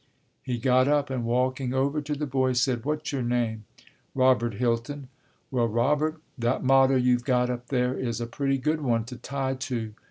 He got up, and walking over to the boy said: "What's your name?" "Robert Hilton." "Well, Robert, that motto you've got up there is a pretty good one to tie to.